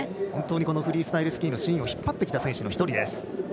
本当にフリースタイルスキーのシーンを引っ張ってきた選手の１人です。